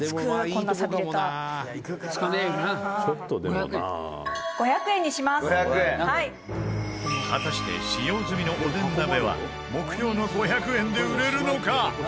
二階堂：「５００円」果たして使用済みのおでん鍋は目標の５００円で売れるのか？